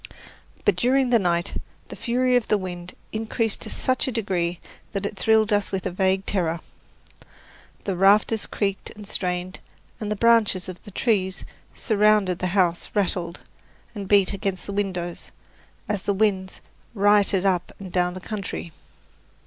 But during the night the fury of the wind increased to such a degree that it thrilled us with a vague terror. The rafters creaked and strained, and the branches of the trees surrounding the house rattled and beat against the windows, as the winds rioted up and down the country.